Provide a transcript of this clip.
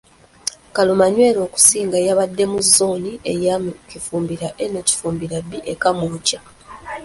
Kalumanywera okusinga yabadde mu zzooni ya Kifumbira A ne Kifumbira B e Kamwokya.